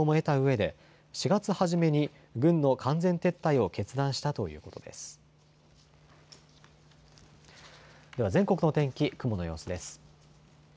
では全国天気、雲の様子です。